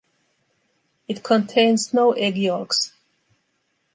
It contains no egg yolks.